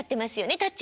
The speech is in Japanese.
「タッチ」